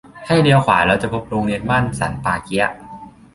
ให้เลี้ยวขวาแล้วจะพบโรงเรียนบ้านสันป่าเกี๊ยะ